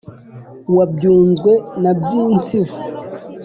wa byunzwe na byintsibo,